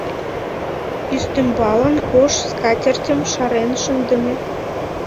Ӱстембалан ош скатертьым шарен шындыме.